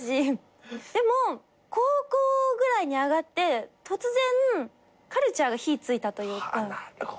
でも高校ぐらいに上がって突然カルチャーが火ついたというか。